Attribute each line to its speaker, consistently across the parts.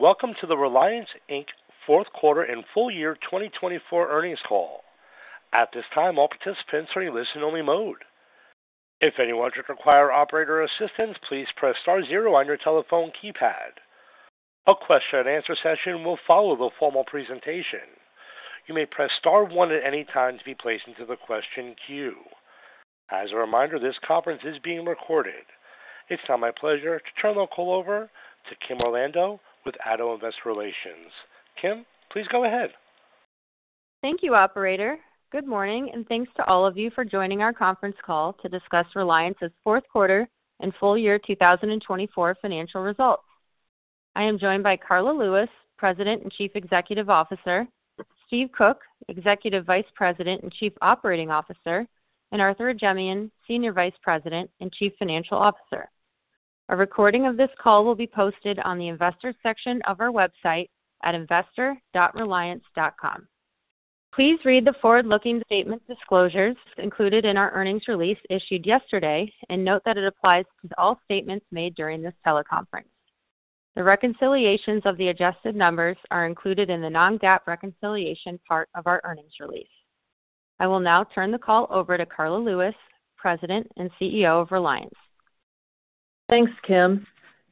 Speaker 1: Welcome to the Reliance Inc fourth quarter and Full Year 2024 earnings call. At this time, all participants are in listen-only mode. If anyone should require operator assistance, please press star zero on your telephone keypad. A question-and-answer session will follow the formal presentation. You may press star one at any time to be placed into the question queue. As a reminder, this conference is being recorded. It's now my pleasure to turn the call over to Kim Orlando with Addo Investor Relations. Kim, please go ahead.
Speaker 2: Thank you, Operator. Good morning, and thanks to all of you for joining our conference call to discuss Reliance's Fourth Quarter and Full Year 2024 financial results. I am joined by Karla Lewis, President and Chief Executive Officer, Steve Cook, Executive Vice President and Chief Operating Officer, and Arthur Ajemyan, Senior Vice President and Chief Financial Officer. A recording of this call will be posted on the Investor section of our website at investor.reliance.com. Please read the forward-looking statement disclosures included in our earnings release issued yesterday and note that it applies to all statements made during this teleconference. The reconciliations of the adjusted numbers are included in the non-GAAP reconciliation part of our earnings release. I will now turn the call over to Karla Lewis, President and CEO of Reliance.
Speaker 3: Thanks, Kim.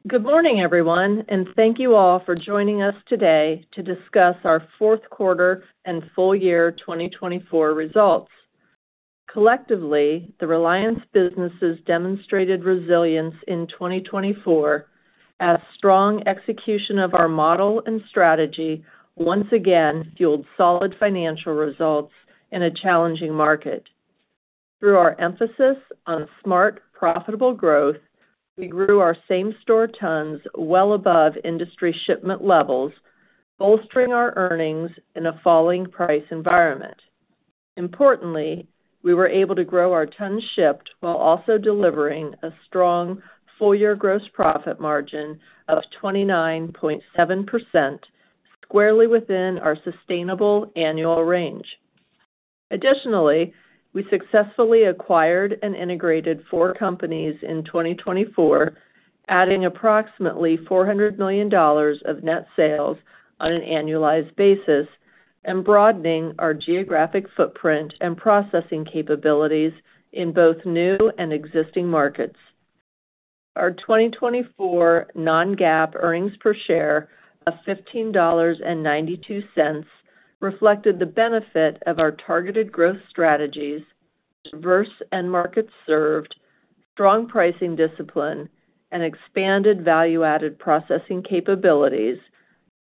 Speaker 3: Good morning, everyone, and thank you all for joining us today to discuss our Fourth Quarter and Full Year 2024 results. Collectively, the Reliance businesses demonstrated resilience in 2024 as strong execution of our model and strategy once again fueled solid financial results in a challenging market. Through our emphasis on smart, profitable growth, we grew our same-store tons well above industry shipment levels, bolstering our earnings in a falling price environment. Importantly, we were able to grow our tons shipped while also delivering a strong full-year gross profit margin of 29.7%, squarely within our sustainable annual range. Additionally, we successfully acquired and integrated four companies in 2024, adding approximately $400 million of net sales on an annualized basis and broadening our geographic footprint and processing capabilities in both new and existing markets. Our 2024 Non-GAAP earnings per share of $15.92 reflected the benefit of our targeted growth strategies, diverse end markets served, strong pricing discipline, and expanded value-added processing capabilities,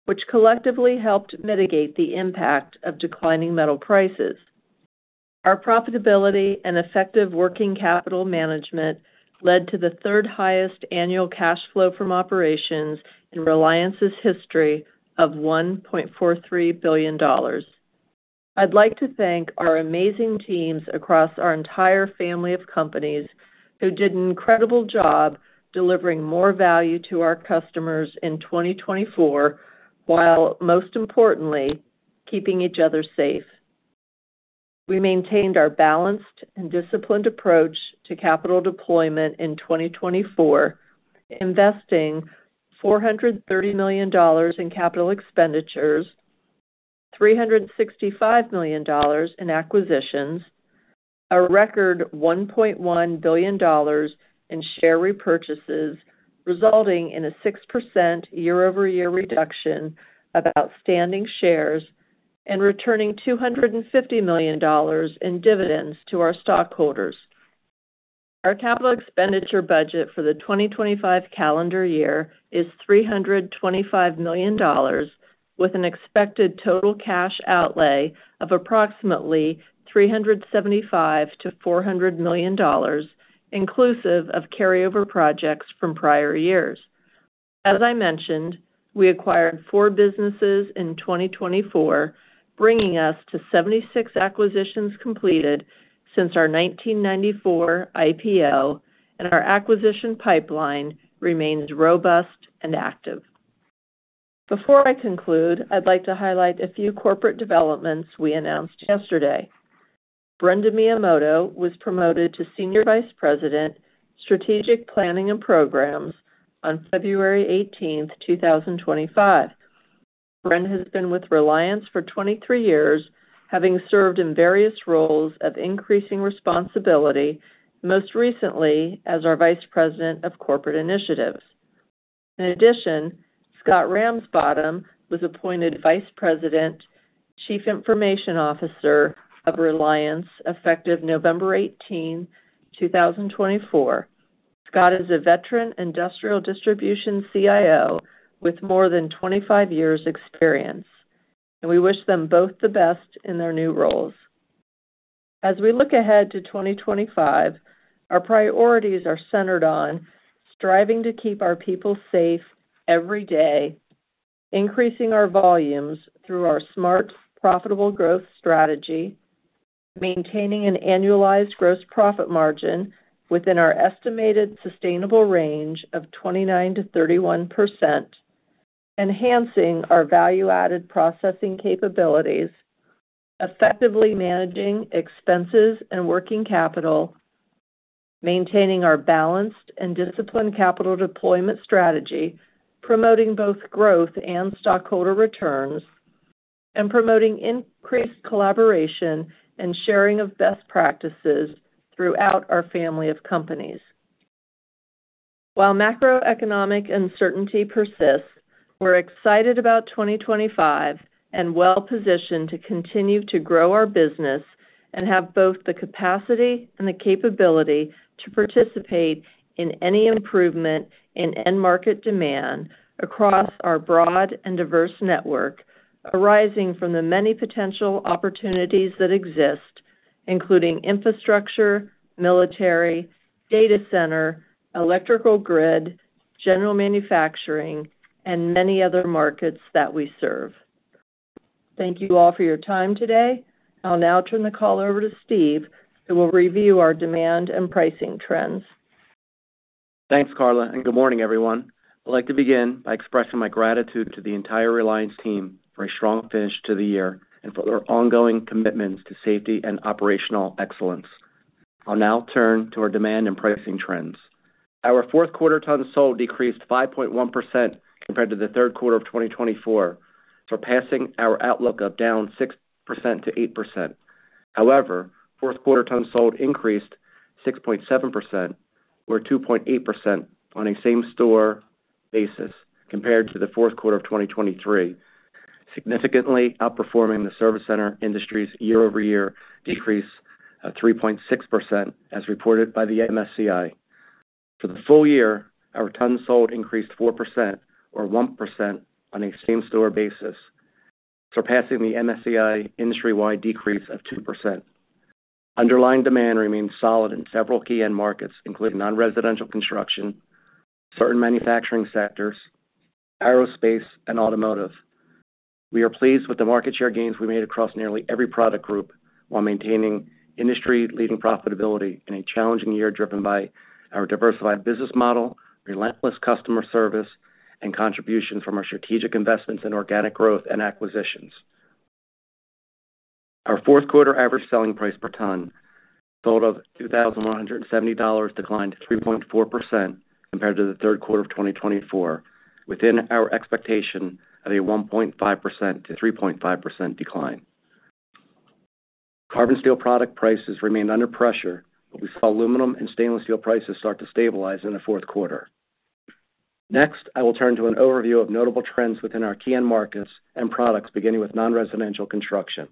Speaker 3: which collectively helped mitigate the impact of declining metal prices. Our profitability and effective working capital management led to the third highest annual cash flow from operations in Reliance's history of $1.43 billion. I'd like to thank our amazing teams across our entire family of companies who did an incredible job delivering more value to our customers in 2024 while, most importantly, keeping each other safe. We maintained our balanced and disciplined approach to capital deployment in 2024, investing $430 million in capital expenditures, $365 million in acquisitions, a record $1.1 billion in share repurchases, resulting in a 6% year-over-year reduction of outstanding shares, and returning $250 million in dividends to our stockholders. Our capital expenditure budget for the 2025 calendar year is $325 million, with an expected total cash outlay of approximately $375-$400 million, inclusive of carryover projects from prior years. As I mentioned, we acquired four businesses in 2024, bringing us to 76 acquisitions completed since our 1994 IPO, and our acquisition pipeline remains robust and active. Before I conclude, I'd like to highlight a few corporate developments we announced yesterday. Brenda Miyamoto was promoted to Senior Vice President, Strategic Planning and Programs on February 18, 2025. Brenda has been with Reliance for 23 years, having served in various roles of increasing responsibility, most recently as our Vice President of Corporate Initiatives. In addition, Scott Ramsbottom was appointed Vice President, Chief Information Officer of Reliance effective November 18, 2024. Scott is a veteran industrial distribution CIO with more than 25 years' experience, and we wish them both the best in their new roles. As we look ahead to 2025, our priorities are centered on striving to keep our people safe every day, increasing our volumes through our smart, profitable growth strategy, maintaining an annualized gross profit margin within our estimated sustainable range of 29%-31%, enhancing our value-added processing capabilities, effectively managing expenses and working capital, maintaining our balanced and disciplined capital deployment strategy, promoting both growth and stockholder returns, and promoting increased collaboration and sharing of best practices throughout our family of companies. While macroeconomic uncertainty persists, we're excited about 2025 and well-positioned to continue to grow our business and have both the capacity and the capability to participate in any improvement in end market demand across our broad and diverse network, arising from the many potential opportunities that exist, including infrastructure, military, data center, electrical grid, general manufacturing, and many other markets that we serve. Thank you all for your time today. I'll now turn the call over to Steve, who will review our demand and pricing trends.
Speaker 4: Thanks, Karla, and good morning, everyone. I'd like to begin by expressing my gratitude to the entire Reliance team for a strong finish to the year and for their ongoing commitments to safety and operational excellence. I'll now turn to our demand and pricing trends. Our fourth quarter tons sold decreased 5.1% compared to the third quarter of 2024, surpassing our outlook of down 6%-8%. However, fourth quarter tons sold increased 6.7%, or 2.8% on a same-store basis, compared to the fourth quarter of 2023, significantly outperforming the service center industry's year-over-year decrease of 3.6%, as reported by the MSCI. For the full year, our tons sold increased 4%, or 1% on a same-store basis, surpassing the MSCI industry-wide decrease of 2%. Underlying demand remains solid in several key end markets, including non-residential construction, certain manufacturing sectors, aerospace, and automotive. We are pleased with the market share gains we made across nearly every product group while maintaining industry-leading profitability in a challenging year driven by our diversified business model, relentless customer service, and contributions from our strategic investments in organic growth and acquisitions. Our fourth quarter average selling price per ton, total of $2,170, declined 3.4% compared to the third quarter of 2024, within our expectation of a 1.5%-3.5% decline. Carbon steel product prices remained under pressure, but we saw aluminum and stainless steel prices start to stabilize in the fourth quarter. Next, I will turn to an overview of notable trends within our key end markets and products, beginning with non-residential construction.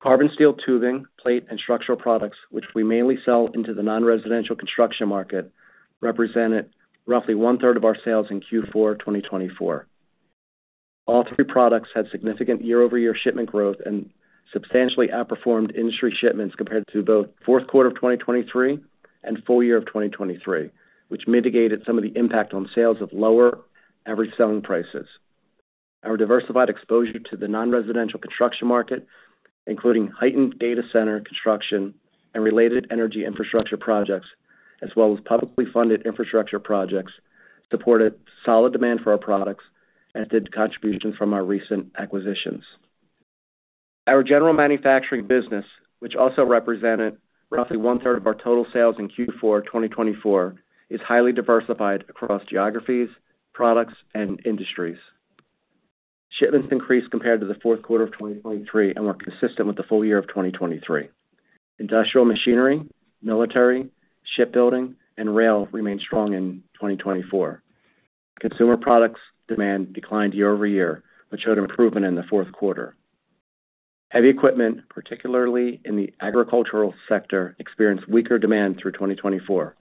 Speaker 4: Carbon steel tubing, plate, and structural products, which we mainly sell into the non-residential construction market, represented roughly one-third of our sales in Q4 2024. All three products had significant year-over-year shipment growth and substantially outperformed industry shipments compared to both fourth quarter of 2023 and full year of 2023, which mitigated some of the impact on sales of lower average selling prices. Our diversified exposure to the non-residential construction market, including heightened data center construction and related energy infrastructure projects, as well as publicly funded infrastructure projects, supported solid demand for our products and with contributions from our recent acquisitions. Our general manufacturing business, which also represented roughly one-third of our total sales in Q4 2024, is highly diversified across geographies, products, and industries. Shipments increased compared to the fourth quarter of 2023 and were consistent with the full year of 2023. Industrial machinery, military, shipbuilding, and rail remained strong in 2024. Consumer products demand declined year-over-year, but showed improvement in the fourth quarter. Heavy equipment, particularly in the agricultural sector, experienced weaker demand through 2024.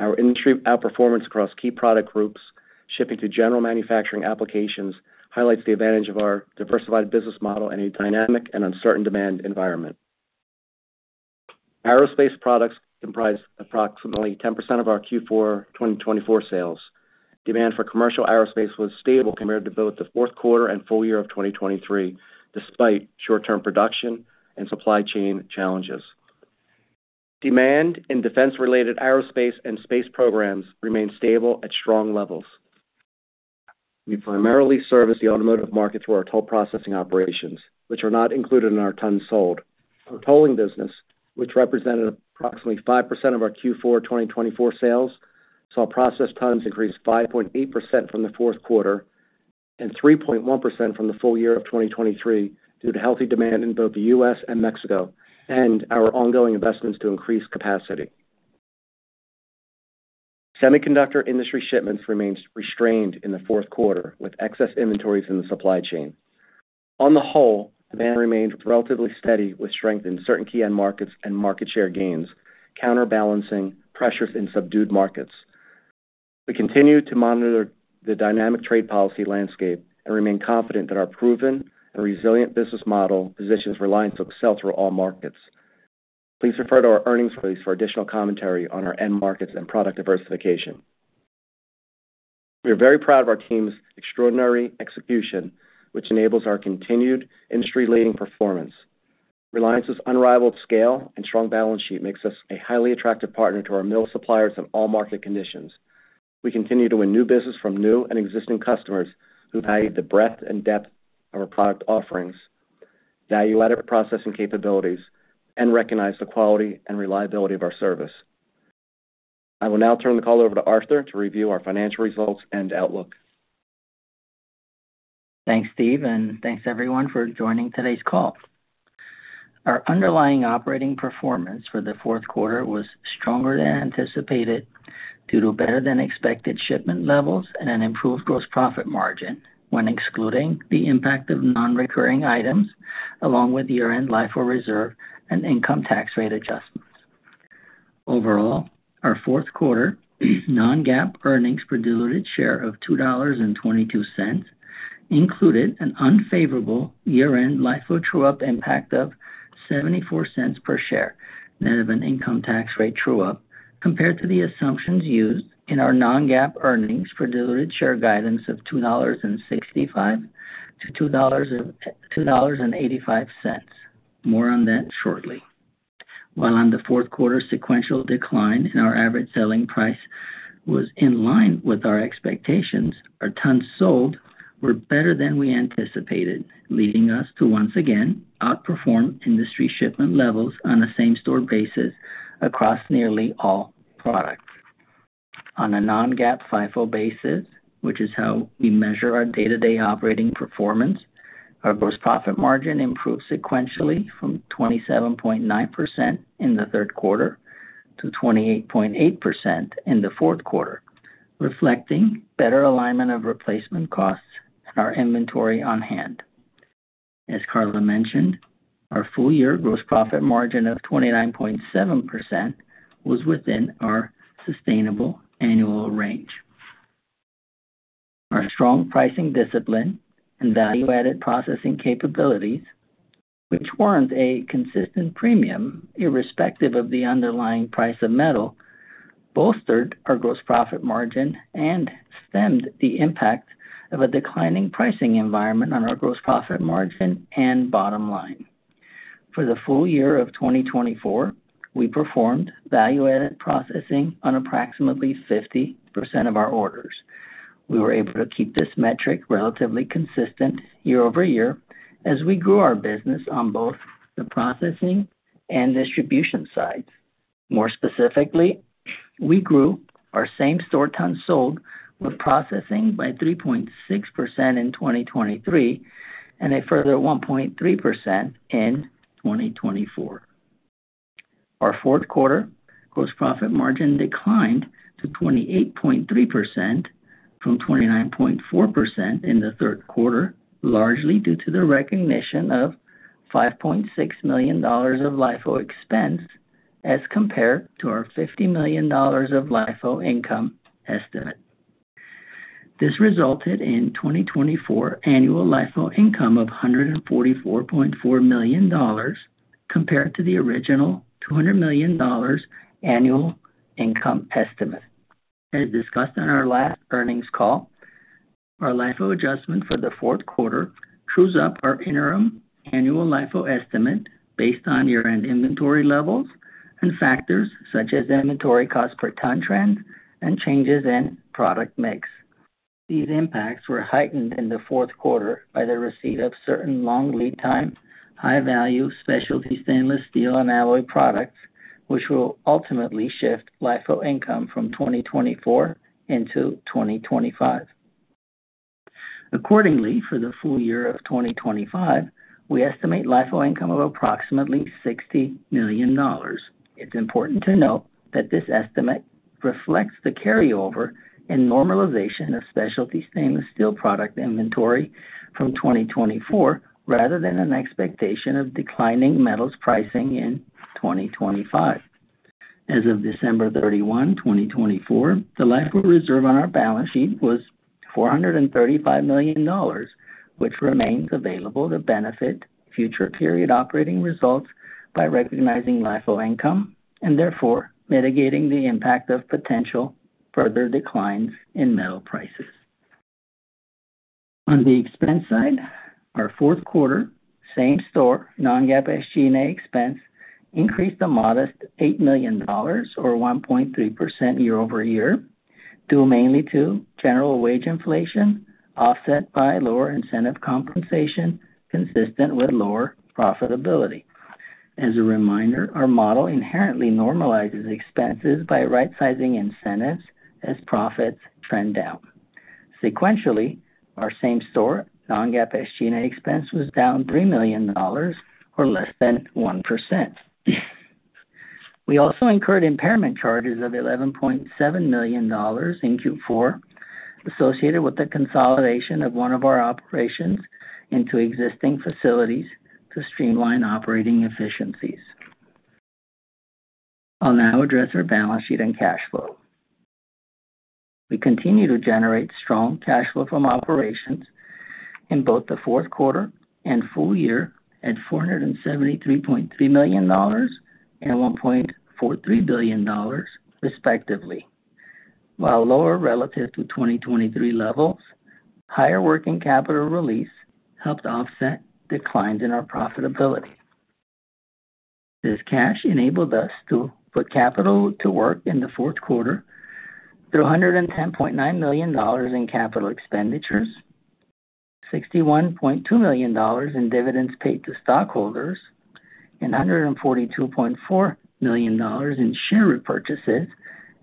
Speaker 4: Our industry outperformance across key product groups, shipping to general manufacturing applications, highlights the advantage of our diversified business model in a dynamic and uncertain demand environment. Aerospace products comprise approximately 10% of our Q4 2024 sales. Demand for commercial aerospace was stable compared to both the fourth quarter and full year of 2023, despite short-term production and supply chain challenges. Demand in defense-related aerospace and space programs remained stable at strong levels. We primarily service the automotive market through our toll processing operations, which are not included in our tons sold. Our tolling business, which represented approximately 5% of our Q4 2024 sales, saw processed tons increase 5.8% from the fourth quarter and 3.1% from the full year of 2023 due to healthy demand in both the U.S. and Mexico, and our ongoing investments to increase capacity. Semiconductor industry shipments remained restrained in the fourth quarter, with excess inventories in the supply chain. On the whole, demand remained relatively steady, with strength in certain key end markets and market share gains, counterbalancing pressures in subdued markets. We continue to monitor the dynamic trade policy landscape and remain confident that our proven and resilient business model positions Reliance to excel through all markets. Please refer to our earnings release for additional commentary on our end markets and product diversification. We are very proud of our team's extraordinary execution, which enables our continued industry-leading performance. Reliance's unrivaled scale and strong balance sheet make us a highly attractive partner to our mill suppliers in all market conditions. We continue to win new business from new and existing customers who value the breadth and depth of our product offerings, value-added processing capabilities, and recognize the quality and reliability of our service. I will now turn the call over to Arthur to review our financial results and outlook.
Speaker 5: Thanks, Steve, and thanks, everyone, for joining today's call. Our underlying operating performance for the fourth quarter was stronger than anticipated due to better-than-expected shipment levels and an improved gross profit margin when excluding the impact of non-recurring items, along with year-end LIFO reserve and income tax rate adjustments. Overall, our fourth quarter non-GAAP earnings per diluted share of $2.22 included an unfavorable year-end LIFO true-up impact of $0.74 per share net of an income tax rate true-up compared to the assumptions used in our non-GAAP earnings for diluted share guidance of $2.65-$2.85. More on that shortly. While on the fourth quarter, sequential decline in our average selling price was in line with our expectations, our tons sold were better than we anticipated, leading us to once again outperform industry shipment levels on a same-store basis across nearly all products. On a non-GAAP LIFO basis, which is how we measure our day-to-day operating performance, our gross profit margin improved sequentially from 27.9% in the third quarter to 28.8% in the fourth quarter, reflecting better alignment of replacement costs and our inventory on hand. As Karla mentioned, our full-year gross profit margin of 29.7% was within our sustainable annual range. Our strong pricing discipline and value-added processing capabilities, which warrant a consistent premium irrespective of the underlying price of metal, bolstered our gross profit margin and stemmed the impact of a declining pricing environment on our gross profit margin and bottom line. For the full year of 2024, we performed value-added processing on approximately 50% of our orders. We were able to keep this metric relatively consistent year-over-year as we grew our business on both the processing and distribution sides. More specifically, we grew our same-store tons sold with processing by 3.6% in 2023 and a further 1.3% in 2024. Our fourth quarter gross profit margin declined to 28.3% from 29.4% in the third quarter, largely due to the recognition of $5.6 million of LIFO expense as compared to our $50 million of LIFO income estimate. This resulted in 2024 annual LIFO income of $144.4 million compared to the original $200 million annual income estimate. As discussed on our last earnings call, our LIFO adjustment for the fourth quarter trues up our interim annual LIFO estimate based on year-end inventory levels and factors such as inventory cost per ton trends and changes in product mix. These impacts were heightened in the fourth quarter by the receipt of certain long lead time, high-value specialty stainless steel and alloy products, which will ultimately shift LIFO income from 2024 into 2025. Accordingly, for the full year of 2025, we estimate LIFO income of approximately $60 million. It's important to note that this estimate reflects the carryover and normalization of specialty stainless steel product inventory from 2024, rather than an expectation of declining metals pricing in 2025. As of December 31, 2024, the LIFO reserve on our balance sheet was $435 million, which remains available to benefit future period operating results by recognizing LIFO income and therefore mitigating the impact of potential further declines in metal prices. On the expense side, our fourth quarter, same-store, non-GAAP SG&A expense increased a modest $8 million, or 1.3% year-over-year, due mainly to general wage inflation offset by lower incentive compensation consistent with lower profitability. As a reminder, our model inherently normalizes expenses by right-sizing incentives as profits trend down. Sequentially, our same-store, non-GAAP SG&A expense was down $3 million, or less than 1%. We also incurred impairment charges of $11.7 million in Q4 associated with the consolidation of one of our operations into existing facilities to streamline operating efficiencies. I'll now address our balance sheet and cash flow. We continue to generate strong cash flow from operations in both the fourth quarter and full year at $473.3 million and $1.43 billion, respectively. While lower relative to 2023 levels, higher working capital release helped offset declines in our profitability. This cash enabled us to put capital to work in the fourth quarter through $110.9 million in capital expenditures, $61.2 million in dividends paid to stockholders, and $142.4 million in share repurchases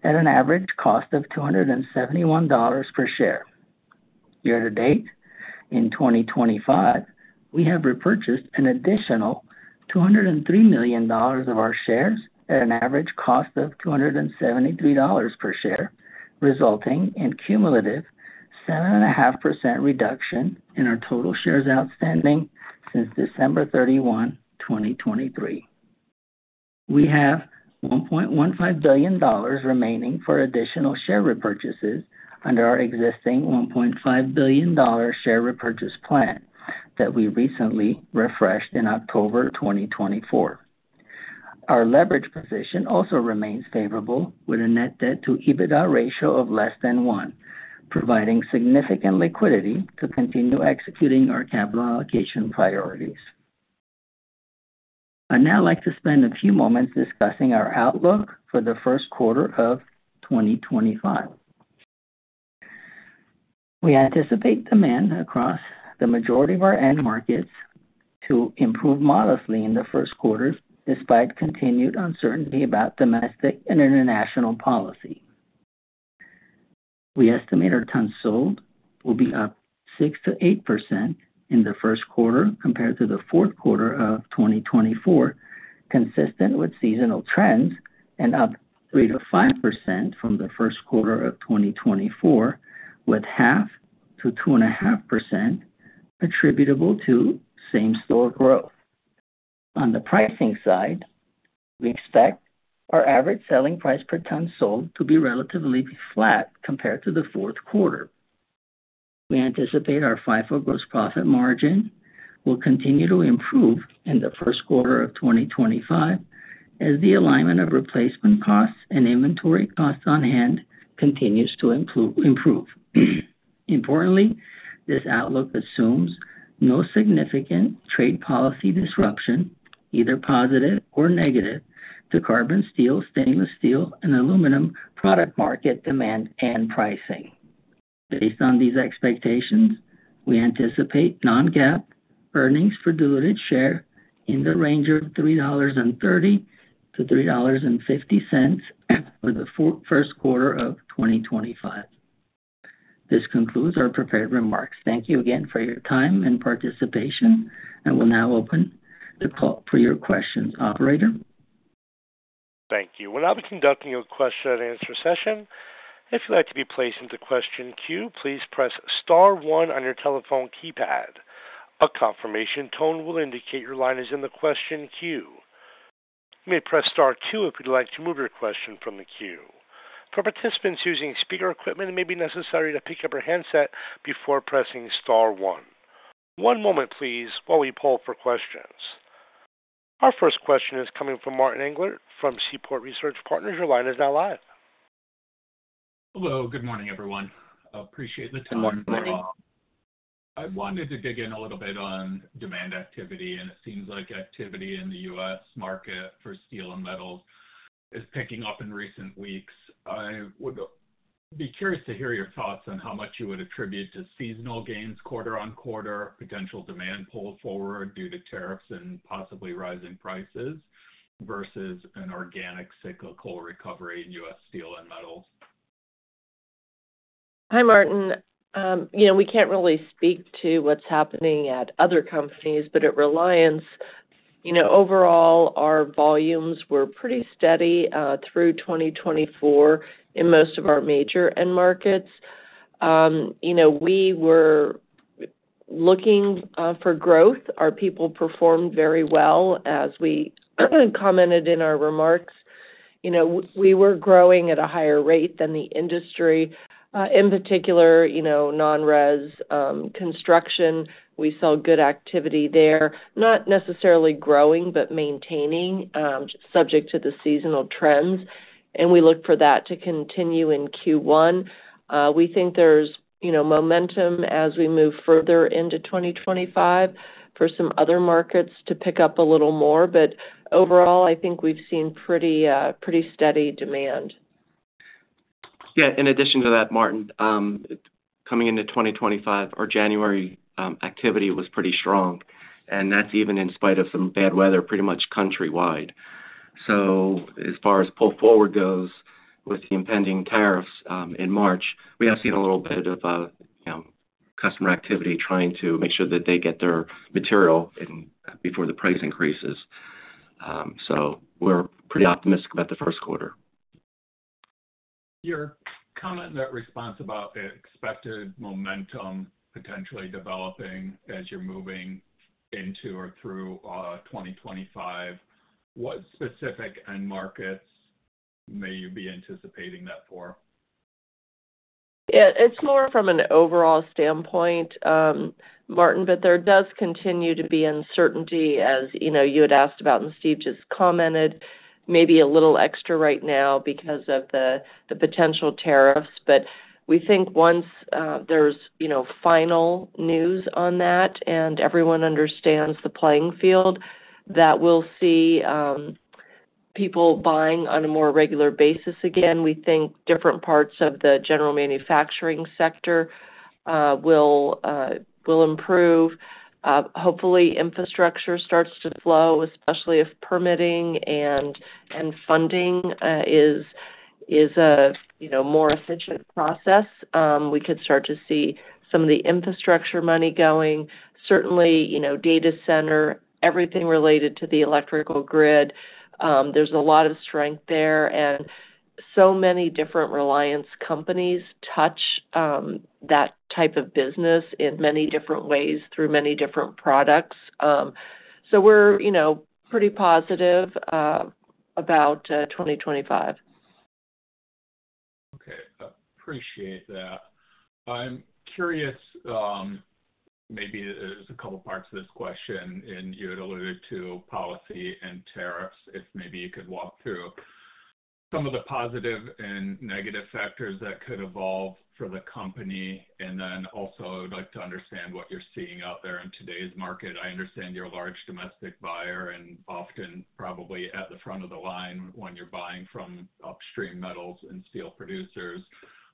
Speaker 5: at an average cost of $271 per share. Year to date, in 2025, we have repurchased an additional $203 million of our shares at an average cost of $273 per share, resulting in cumulative 7.5% reduction in our total shares outstanding since December 31, 2023. We have $1.15 billion remaining for additional share repurchases under our existing $1.5 billion share repurchase plan that we recently refreshed in October 2024. Our leverage position also remains favorable, with a net debt-to-EBITDA ratio of less than 1, providing significant liquidity to continue executing our capital allocation priorities. I'd now like to spend a few moments discussing our outlook for the first quarter of 2025. We anticipate demand across the majority of our end markets to improve modestly in the first quarter despite continued uncertainty about domestic and international policy. We estimate our tons sold will be up 6%-8% in the first quarter compared to the fourth quarter of 2024, consistent with seasonal trends, and up 3%-5% from the first quarter of 2024, with 0.5%-2.5% attributable to same-store growth. On the pricing side, we expect our average selling price per ton sold to be relatively flat compared to the fourth quarter. We anticipate our FIFO gross profit margin will continue to improve in the first quarter of 2025 as the alignment of replacement costs and inventory costs on hand continues to improve. Importantly, this outlook assumes no significant trade policy disruption, either positive or negative, to carbon steel, stainless steel, and aluminum product market demand and pricing. Based on these expectations, we anticipate non-GAAP earnings for diluted share in the range of $3.30-$3.50 for the first quarter of 2025. This concludes our prepared remarks. Thank you again for your time and participation, and we'll now open the call for your questions, Operator.
Speaker 1: Thank you. We'll now be conducting a question-and-answer session. If you'd like to be placed into question queue, please press Star 1 on your telephone keypad. A confirmation tone will indicate your line is in the question queue. You may press Star 2 if you'd like to move your question from the queue. For participants using speaker equipment, it may be necessary to pick up your handset before pressing Star 1. One moment, please, while we poll for questions. Our first question is coming from Martin Englert from Seaport Research Partners. Your line is now live.
Speaker 6: Hello. Good morning, everyone. Appreciate the time.
Speaker 3: Good morning.
Speaker 6: I wanted to dig in a little bit on demand activity, and it seems like activity in the U.S. market for steel and metals is picking up in recent weeks. I would be curious to hear your thoughts on how much you would attribute to seasonal gains quarter on quarter, potential demand pulled forward due to tariffs and possibly rising prices versus an organic cyclical recovery in U.S. steel and metals.
Speaker 3: Hi, Martin. You know, we can't really speak to what's happening at other companies, but at Reliance, you know, overall, our volumes were pretty steady through 2024 in most of our major end markets. You know, we were looking for growth. Our people performed very well, as we commented in our remarks. You know, we were growing at a higher rate than the industry. In particular, you know, non-residential construction, we saw good activity there, not necessarily growing, but maintaining, subject to the seasonal trends, and we look for that to continue in Q1. We think there's, you know, momentum as we move further into 2025 for some other markets to pick up a little more, but overall, I think we've seen pretty steady demand.
Speaker 5: Yeah. In addition to that, Martin, coming into 2025, our January activity was pretty strong, and that's even in spite of some bad weather pretty much countrywide. So as far as pull forward goes with the impending tariffs in March, we have seen a little bit of customer activity trying to make sure that they get their material before the price increases. So we're pretty optimistic about the first quarter.
Speaker 6: Your comment in that response about expected momentum potentially developing as you're moving into or through 2025, what specific end markets may you be anticipating that for?
Speaker 3: Yeah. It's more from an overall standpoint, Martin, but there does continue to be uncertainty, as you had asked about, and Steve just commented, maybe a little extra right now because of the potential tariffs. But we think once there's final news on that and everyone understands the playing field, that we'll see people buying on a more regular basis again. We think different parts of the general manufacturing sector will improve. Hopefully, infrastructure starts to flow, especially if permitting and funding is a more efficient process. We could start to see some of the infrastructure money going. Certainly, data center, everything related to the electrical grid, there's a lot of strength there. And so many different Reliance companies touch that type of business in many different ways through many different products. So we're pretty positive about 2025.
Speaker 6: Okay. Appreciate that. I'm curious, maybe there's a couple of parts to this question, and you had alluded to policy and tariffs, if maybe you could walk through some of the positive and negative factors that could evolve for the company. And then also, I'd like to understand what you're seeing out there in today's market. I understand you're a large domestic buyer and often probably at the front of the line when you're buying from upstream metals and steel producers.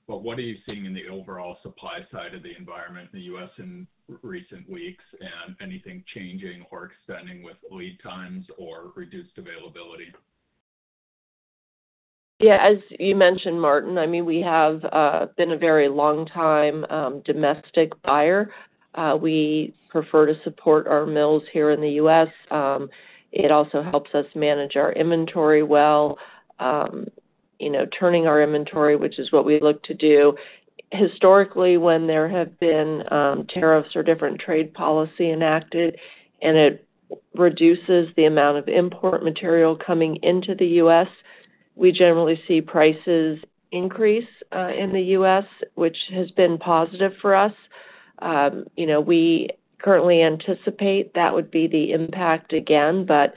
Speaker 6: But what are you seeing in the overall supply side of the environment in the U.S. in recent weeks, and anything changing or extending with lead times or reduced availability?
Speaker 3: Yeah. As you mentioned, Martin, I mean, we have been a very long-time domestic buyer. We prefer to support our mills here in the U.S. It also helps us manage our inventory well, turning our inventory, which is what we look to do. Historically, when there have been tariffs or different trade policy enacted and it reduces the amount of import material coming into the U.S., we generally see prices increase in the U.S., which has been positive for us. We currently anticipate that would be the impact again. But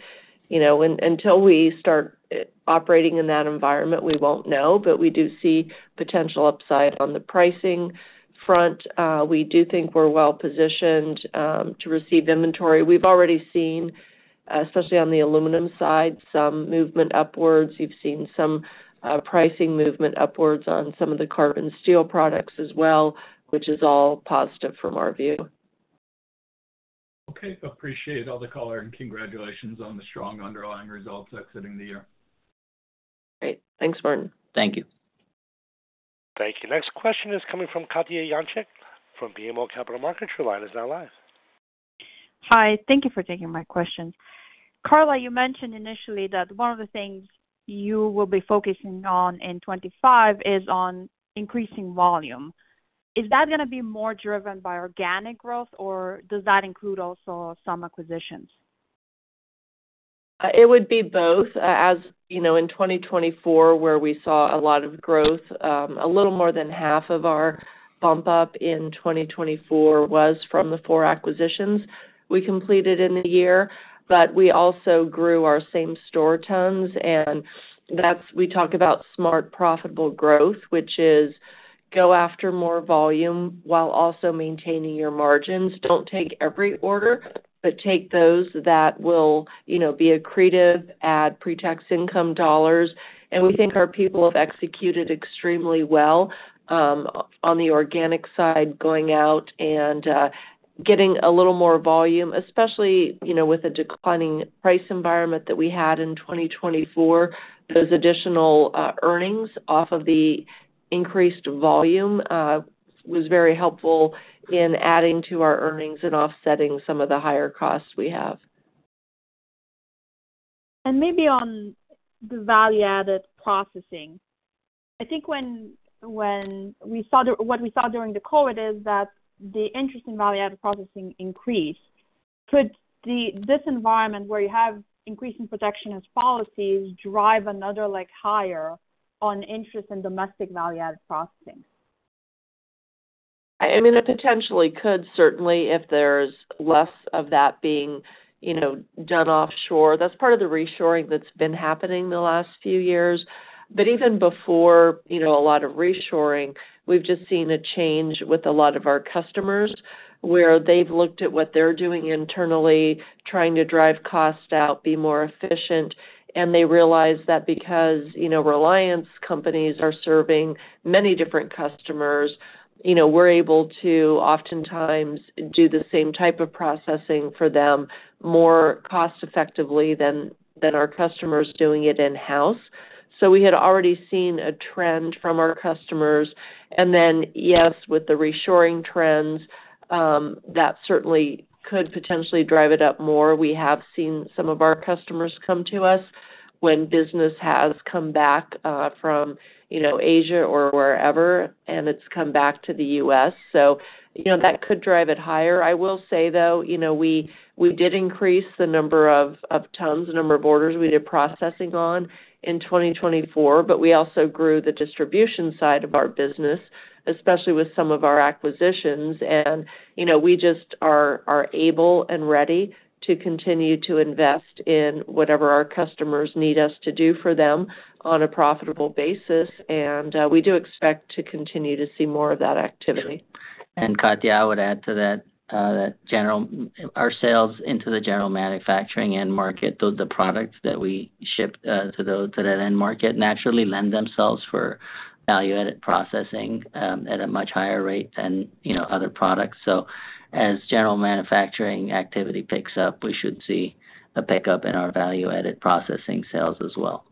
Speaker 3: until we start operating in that environment, we won't know. But we do see potential upside on the pricing front. We do think we're well-positioned to receive inventory. We've already seen, especially on the aluminum side, some movement upwards. You've seen some pricing movement upwards on some of the carbon steel products as well, which is all positive from our view.
Speaker 6: Okay. Appreciate all the color and congratulations on the strong underlying results exiting the year.
Speaker 3: Great. Thanks, Martin.
Speaker 5: Thank you.
Speaker 1: Thank you. Next question is coming from Katja Jancic from BMO Capital Markets. Your line is now live.
Speaker 7: Hi. Thank you for taking my question. Karla, you mentioned initially that one of the things you will be focusing on in 2025 is on increasing volume. Is that going to be more driven by organic growth, or does that include also some acquisitions?
Speaker 3: It would be both. As in 2024, where we saw a lot of growth, a little more than half of our bump-up in 2024 was from the four acquisitions we completed in the year. But we also grew our same-store tons. And we talk about smart profitable growth, which is go after more volume while also maintaining your margins. Don't take every order, but take those that will be accretive, add pre-tax income dollars. And we think our people have executed extremely well on the organic side, going out and getting a little more volume, especially with a declining price environment that we had in 2024. Those additional earnings off of the increased volume was very helpful in adding to our earnings and offsetting some of the higher costs we have.
Speaker 7: Maybe on the value-added processing, I think when we saw what we saw during the COVID is that the interest in value-added processing increased. Could this environment where you have increasing protectionist policies drive another higher on interest in domestic value-added processing?
Speaker 3: I mean, it potentially could, certainly, if there's less of that being done offshore. That's part of the reshoring that's been happening the last few years. But even before a lot of reshoring, we've just seen a change with a lot of our customers where they've looked at what they're doing internally, trying to drive costs out, be more efficient. And they realize that because Reliance companies are serving many different customers, we're able to oftentimes do the same type of processing for them more cost-effectively than our customers doing it in-house. So we had already seen a trend from our customers. And then, yes, with the reshoring trends, that certainly could potentially drive it up more. We have seen some of our customers come to us when business has come back from Asia or wherever, and it's come back to the U.S. So that could drive it higher. I will say, though, we did increase the number of tons, the number of orders we did processing on in 2024, but we also grew the distribution side of our business, especially with some of our acquisitions, and we just are able and ready to continue to invest in whatever our customers need us to do for them on a profitable basis, and we do expect to continue to see more of that activity.
Speaker 5: And Katya, I would add to that, our sales into the general manufacturing end market, the products that we ship to that end market naturally lend themselves for value-added processing at a much higher rate than other products. So as general manufacturing activity picks up, we should see a pickup in our value-added processing sales as well.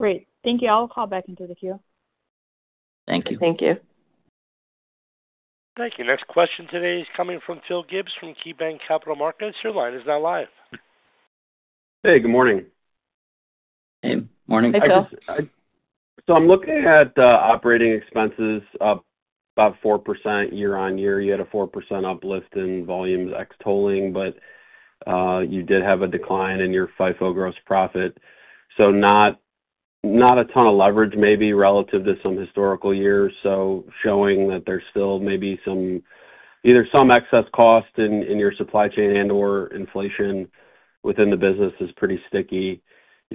Speaker 7: Great. Thank you. I'll call back into the queue.
Speaker 5: Thank you.
Speaker 3: Thank you.
Speaker 1: Thank you. Next question today is coming from Phil Gibbs from KeyBanc Capital Markets. Your line is now live.
Speaker 8: Hey. Good morning.
Speaker 5: Hey. Morning, Chris.
Speaker 8: Hi, Chris. So I'm looking at operating expenses up about 4% year-on-year. You had a 4% uplift in volumes ex-tolling, but you did have a decline in your FIFO gross profit. So not a ton of leverage, maybe, relative to some historical years. So showing that there's still maybe either some excess cost in your supply chain and/or inflation within the business is pretty sticky.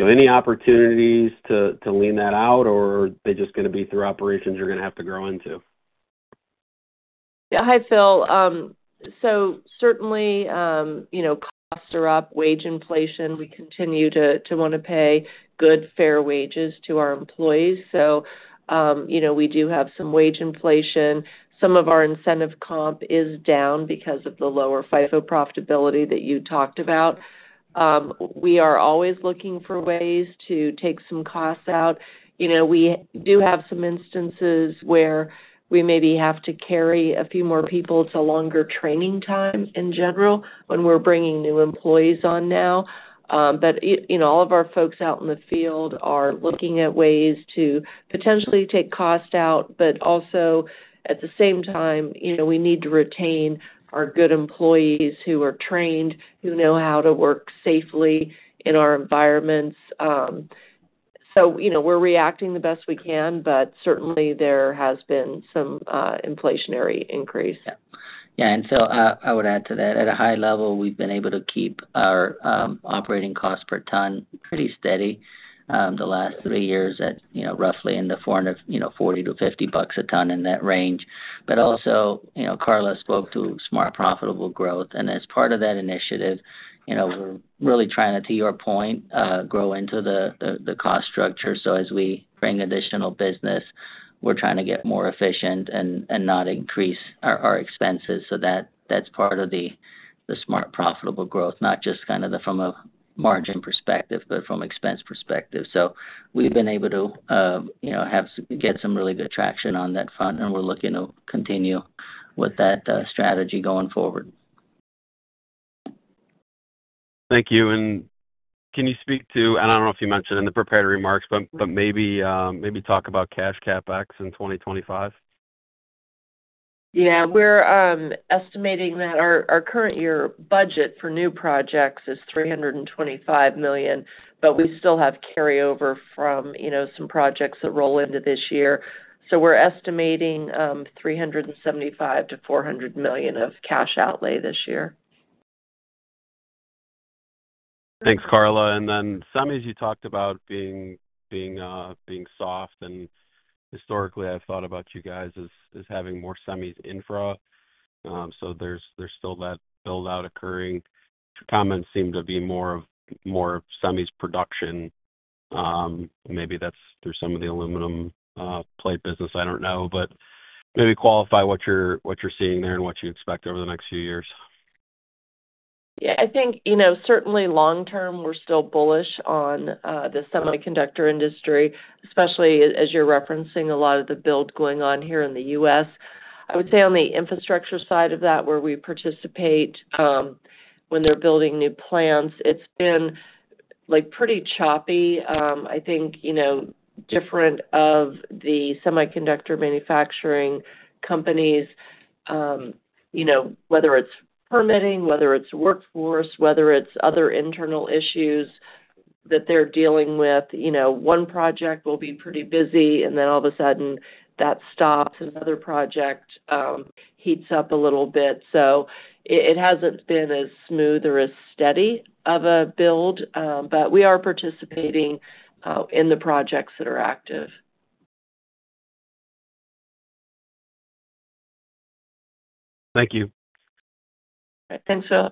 Speaker 8: Any opportunities to lean that out, or are they just going to be through operations you're going to have to grow into?
Speaker 3: Yeah. Hi, Phil. So certainly, costs are up, wage inflation. We continue to want to pay good, fair wages to our employees. So we do have some wage inflation. Some of our incentive comp is down because of the lower FIFO profitability that you talked about. We are always looking for ways to take some costs out. We do have some instances where we maybe have to carry a few more people. It's a longer training time in general when we're bringing new employees on now. But all of our folks out in the field are looking at ways to potentially take costs out. But also, at the same time, we need to retain our good employees who are trained, who know how to work safely in our environments. So we're reacting the best we can, but certainly, there has been some inflationary increase.
Speaker 5: Yeah. And so I would add to that, at a high level, we've been able to keep our operating cost per ton pretty steady the last three years at roughly $40-$50 a ton in that range. But also, Karla spoke to smart profitable growth. And as part of that initiative, we're really trying to, to your point, grow into the cost structure. So as we bring additional business, we're trying to get more efficient and not increase our expenses. So that's part of the smart profitable growth, not just kind of from a margin perspective, but from expense perspective. So we've been able to get some really good traction on that front, and we're looking to continue with that strategy going forward.
Speaker 8: Thank you. And can you speak to, and I don't know if you mentioned in the prepared remarks, but maybe talk about cash CapEx in 2025?
Speaker 3: Yeah. We're estimating that our current year budget for new projects is $325 million, but we still have carryover from some projects that roll into this year. So we're estimating $375 million-$400 million of cash outlay this year.
Speaker 8: Thanks, Karla, and then semis, you talked about being soft, and historically, I've thought about you guys as having more semis infra, so there's still that build-out occurring. Comments seem to be more of semis production. Maybe that's through some of the aluminum plate business. I don't know, but maybe qualify what you're seeing there and what you expect over the next few years.
Speaker 3: Yeah. I think certainly long-term, we're still bullish on the semiconductor industry, especially as you're referencing a lot of the build going on here in the U.S. I would say on the infrastructure side of that, where we participate when they're building new plants, it's been pretty choppy. I think different of the semiconductor manufacturing companies, whether it's permitting, whether it's workforce, whether it's other internal issues that they're dealing with. One project will be pretty busy, and then all of a sudden, that stops, and another project heats up a little bit. So it hasn't been as smooth or as steady of a build, but we are participating in the projects that are active.
Speaker 8: Thank you.
Speaker 3: Thanks, Phil.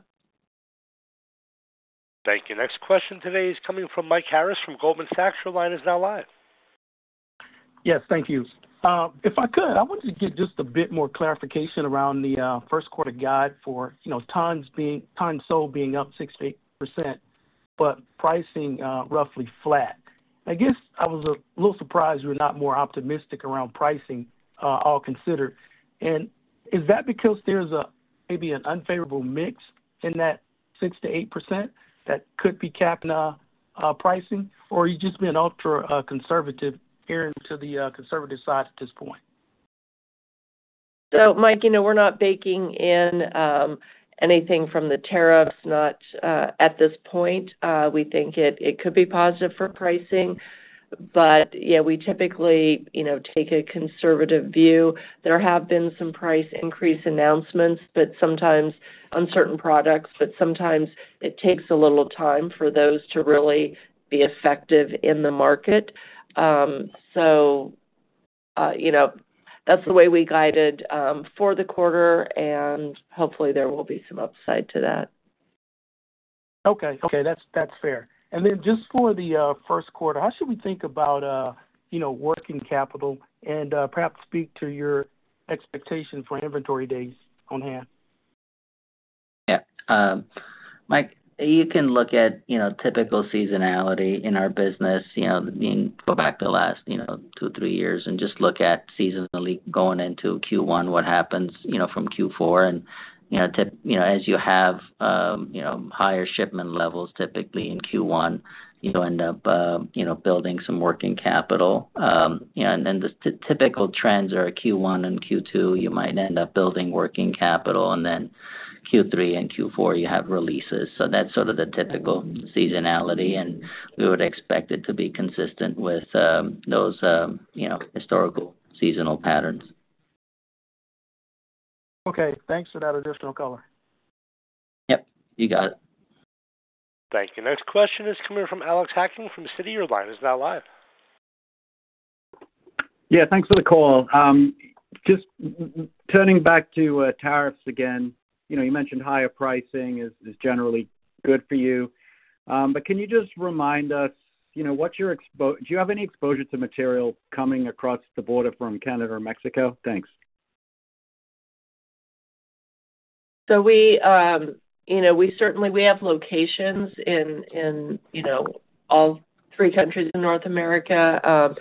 Speaker 1: Thank you. Next question today is coming from Mike Harris from Goldman Sachs. Your line is now live.
Speaker 9: Yes. Thank you. If I could, I wanted to get just a bit more clarification around the first quarter guide for tons sold being up 6%-8%, but pricing roughly flat. I guess I was a little surprised you're not more optimistic around pricing all considered. And is that because there's maybe an unfavorable mix in that 6%-8% that could be capping pricing, or are you just being ultra-conservative gearing to the conservative side at this point?
Speaker 3: So Mike, we're not baking in anything from the tariffs at this point. We think it could be positive for pricing. But yeah, we typically take a conservative view. There have been some price increase announcements, but sometimes on certain products, but sometimes it takes a little time for those to really be effective in the market. So that's the way we guided for the quarter, and hopefully, there will be some upside to that.
Speaker 9: Okay. Okay. That's fair. And then just for the first quarter, how should we think about working capital and perhaps speak to your expectation for inventory days on hand?
Speaker 5: Yeah. Mike, you can look at typical seasonality in our business. You can go back to the last two, three years and just look at seasonally going into Q1, what happens from Q4. And as you have higher shipment levels, typically in Q1, you end up building some working capital. And then the typical trends are Q1 and Q2, you might end up building working capital. And then Q3 and Q4, you have releases. So that's sort of the typical seasonality, and we would expect it to be consistent with those historical seasonal patterns.
Speaker 9: Okay. Thanks for that additional color.
Speaker 5: Yep. You got it.
Speaker 1: Thank you. Next question is coming from Alex Hacking from Citi. He's now live.
Speaker 10: Yeah. Thanks for the call. Just turning back to tariffs again, you mentioned higher pricing is generally good for you. But can you just remind us, what's your exposure? Do you have any exposure to material coming across the border from Canada or Mexico? Thanks.
Speaker 3: So we certainly have locations in all three countries in North America.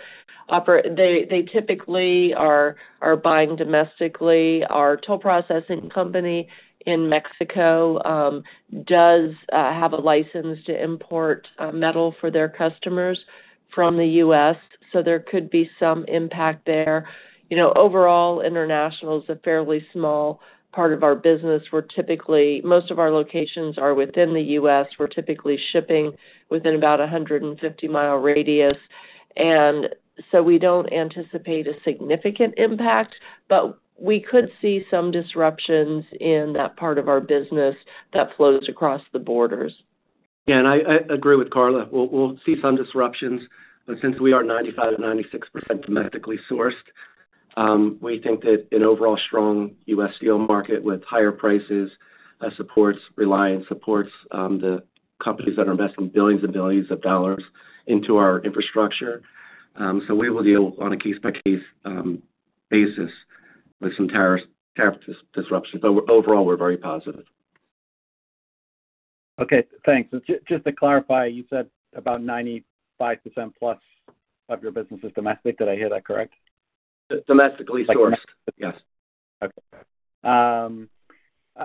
Speaker 3: They typically are buying domestically. Our toll processing company in Mexico does have a license to import metal for their customers from the U.S.. So there could be some impact there. Overall, international is a fairly small part of our business. Most of our locations are within the U.S.. We're typically shipping within about a 150-mile radius. And so we don't anticipate a significant impact, but we could see some disruptions in that part of our business that flows across the borders.
Speaker 10: Yeah. And I agree with Karla. We'll see some disruptions. But since we are 95%-96% domestically sourced, we think that an overall strong U.S. steel market with higher prices supports Reliance, supports the companies that are investing billions and billions of dollars into our infrastructure. So we will deal on a case-by-case basis with some tariff disruptions. But overall, we're very positive. Okay. Thanks. Just to clarify, you said about 95% plus of your business is domestic. Did I hear that correct?
Speaker 5: Domestically sourced.
Speaker 10: Domestic. Yes. Okay.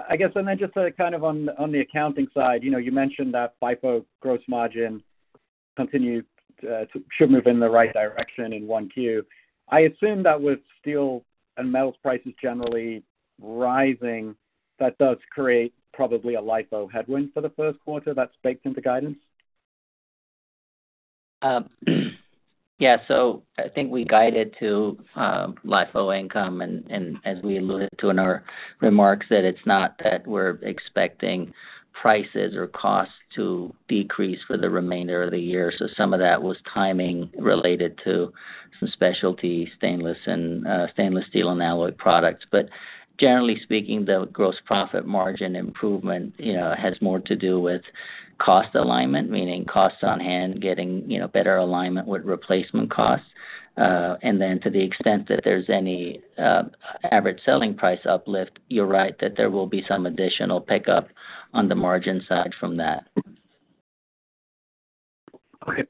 Speaker 10: I guess then just kind of on the accounting side, you mentioned that FIFO gross margin should move in the right direction in Q1. I assume that with steel and metals prices generally rising, that does create probably a LIFO headwind for the first quarter that's baked into guidance?
Speaker 5: Yeah. So I think we guided to LIFO income. And as we alluded to in our remarks, that it's not that we're expecting prices or costs to decrease for the remainder of the year. So some of that was timing related to some specialty stainless steel and alloy products. But generally speaking, the gross profit margin improvement has more to do with cost alignment, meaning costs on hand, getting better alignment with replacement costs. And then to the extent that there's any average selling price uplift, you're right that there will be some additional pickup on the margin side from that.
Speaker 10: Okay.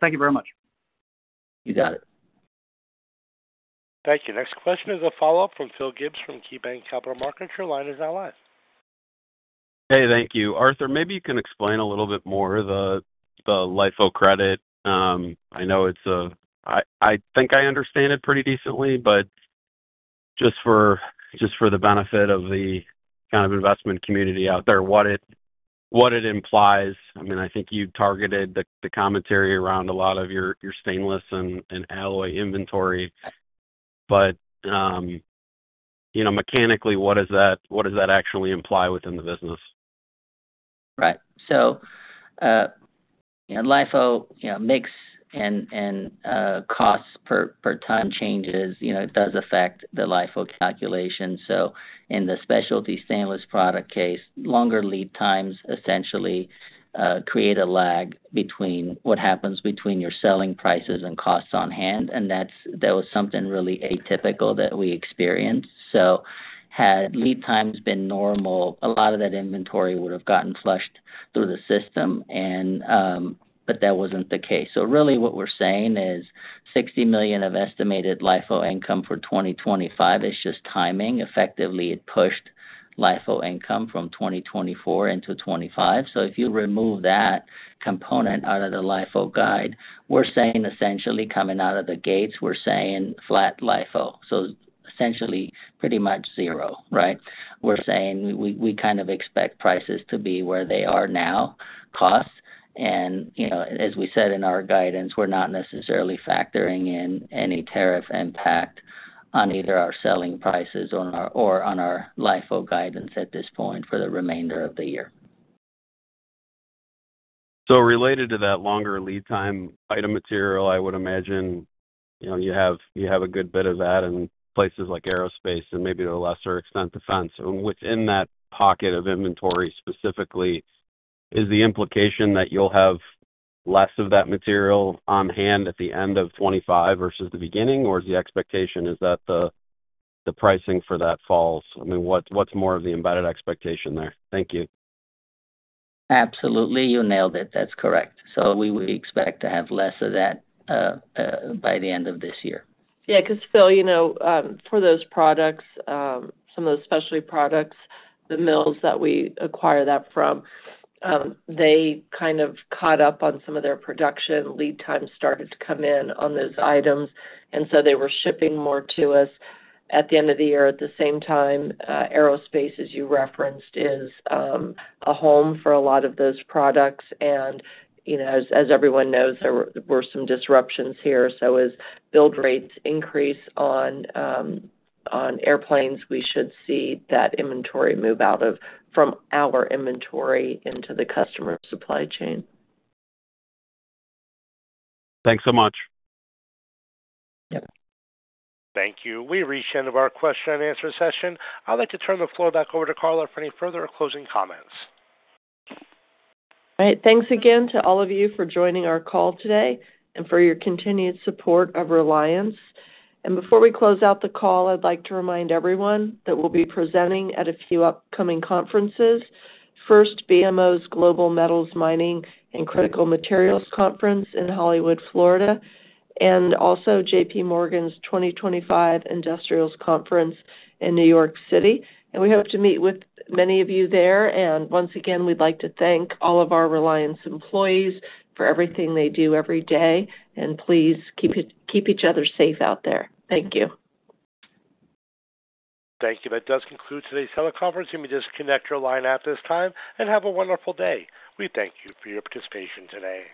Speaker 10: Thank you very much.
Speaker 5: You got it.
Speaker 1: Thank you. Next question is a follow-up from Phil Gibbs from KeyBanc Capital Markets. Your line is now live.
Speaker 8: Hey. Thank you. Arthur, maybe you can explain a little bit more the LIFO credit. I know it's a, I think I understand it pretty decently, but just for the benefit of the kind of investment community out there, what it implies, I mean, I think you targeted the commentary around a lot of your stainless and alloy inventory. But mechanically, what does that actually imply within the business?
Speaker 5: Right. So LIFO mix and costs per ton changes, it does affect the LIFO calculation. So in the specialty stainless product case, longer lead times essentially create a lag between what happens between your selling prices and costs on hand. And that was something really atypical that we experienced. So had lead times been normal, a lot of that inventory would have gotten flushed through the system, but that wasn't the case. So really, what we're saying is $60 million of estimated LIFO income for 2025 is just timing. Effectively, it pushed LIFO income from 2024 into 2025. So if you remove that component out of the LIFO guide, we're saying essentially coming out of the gates, we're saying flat LIFO. So essentially, pretty much zero, right? We're saying we kind of expect prices to be where they are now, costs. As we said in our guidance, we're not necessarily factoring in any tariff impact on either our selling prices or on our LIFO guidance at this point for the remainder of the year.
Speaker 8: So related to that longer lead time item material, I would imagine you have a good bit of that in places like aerospace and maybe to a lesser extent defense. Within that pocket of inventory specifically, is the implication that you'll have less of that material on hand at the end of 2025 versus the beginning? Or is the expectation that the pricing for that falls? I mean, what's more of the embedded expectation there? Thank you.
Speaker 5: Absolutely. You nailed it. That's correct. So we would expect to have less of that by the end of this year.
Speaker 3: Yeah. Because Phil, for those products, some of those specialty products, the mills that we acquire that from, they kind of caught up on some of their production. Lead times started to come in on those items. And so they were shipping more to us at the end of the year. At the same time, aerospace, as you referenced, is a home for a lot of those products. And as everyone knows, there were some disruptions here. So as build rates increase on airplanes, we should see that inventory move out from our inventory into the customer supply chain.
Speaker 8: Thanks so much.
Speaker 5: Yep.
Speaker 1: Thank you. We reached the end of our question and answer session. I'd like to turn the floor back over to Karla for any further closing comments.
Speaker 3: All right. Thanks again to all of you for joining our call today and for your continued support of Reliance. And before we close out the call, I'd like to remind everyone that we'll be presenting at a few upcoming conferences. First, BMO's Global Metals Mining and Critical Materials Conference in Hollywood, Florida, and also JPMorgan's 2025 Industrials Conference in New York City. And we hope to meet with many of you there. And once again, we'd like to thank all of our Reliance employees for everything they do every day. And please keep each other safe out there. Thank you.
Speaker 1: Thank you. That does conclude today's teleconference. You may disconnect your line at this time and have a wonderful day. We thank you for your participation today.